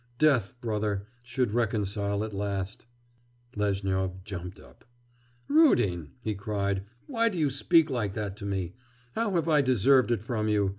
Death, brother, should reconcile at last...' Lezhnyov jumped up. 'Rudin!' he cried, 'why do you speak like that to me? How have I deserved it from you?